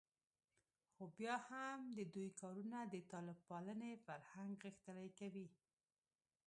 خو بیا هم د دوی کارونه د طالب پالنې فرهنګ غښتلی کوي